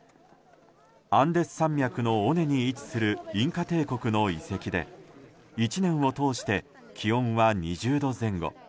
アンデス山脈の尾根に位置するインカ帝国の遺跡で１年を通して気温は２０度前後。